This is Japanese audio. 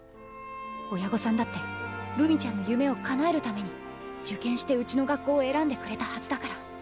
親御さんだってるみちゃんの夢をかなえるために受験してうちの学校を選んでくれたはずだから。